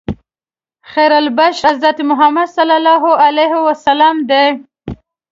خیرالبشر حضرت محمد صلی الله علیه وسلم دی.